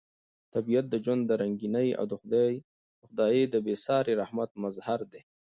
طبیعت د ژوند د رنګینۍ او د خدای د بې ساري رحمت مظهر دی.